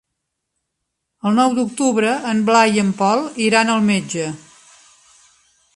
El nou d'octubre en Blai i en Pol iran al metge.